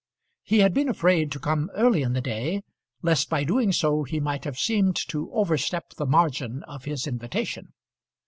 He had been afraid to come early in the day, lest by doing so he might have seemed to overstep the margin of his invitation.